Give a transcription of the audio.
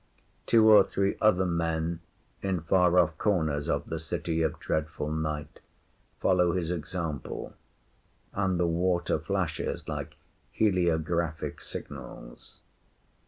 Two or three other men, in far off corners of the City of Dreadful Night, follow his example, and the water flashes like heliographic signals.